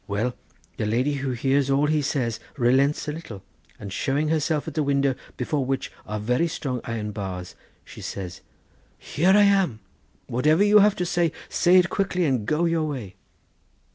Well, the lady who hears all he says relents one little, and showing herself at the window before which are very strong iron bars she says: 'Here I am! whatever you have to say, say it quickly, and go your way.